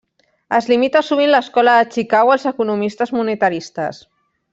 Es limita sovint l'escola de Chicago als economistes monetaristes.